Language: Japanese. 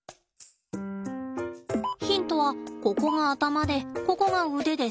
ヒントはここが頭でここが腕です。